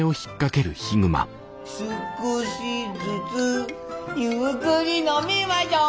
「少しずつゆっくり飲みましょ」